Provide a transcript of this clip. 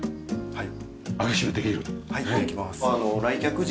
はい。